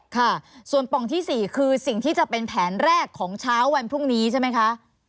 ค่ะส่วนป่องที่๔คือสิ่งที่จะเป็นแผนแรกของเช้าวันพรุ่งนี้ใช่ไหมคะ